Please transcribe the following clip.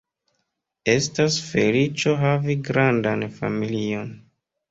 Estas feliĉo havi grandan familion.